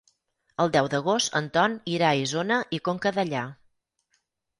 El deu d'agost en Ton irà a Isona i Conca Dellà.